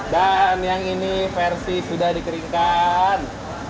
dan yang ini versi sudah dikeringkan